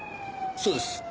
そうです。